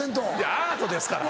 アートですから。